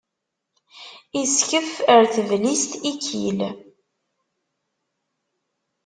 Iskef ar teblist ikkil.